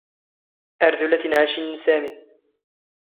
ⴰⵔ ⴷ ⵓⵍⴰ ⵜⵉⵏⵄⴰⵛⵉⵏ ⵏ ⵙⴰⵎⵉ.